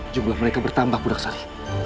jumlah mereka bertambah punaksari